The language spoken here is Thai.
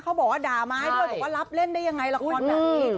เขาบอกว่าด่าไม้ด้วยบอกว่ารับเล่นได้ยังไงละครแบบนี้